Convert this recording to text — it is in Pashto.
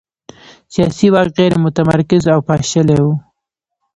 سیاسي واک غیر متمرکز او پاشلی و.